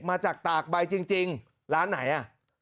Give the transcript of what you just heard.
มาจากตากใบจริงร้านไหนอ่ะ